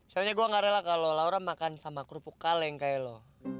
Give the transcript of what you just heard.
soalnya gue gak rela kalau laura makan sama kerupuk kaleng kayak lo